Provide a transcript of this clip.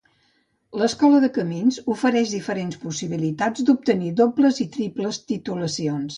L'Escola de Camins ofereix diferents possibilitats d'obtenir dobles i triples titulacions.